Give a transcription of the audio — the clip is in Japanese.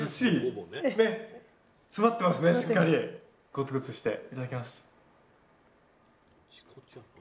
ゴツゴツしていただきます。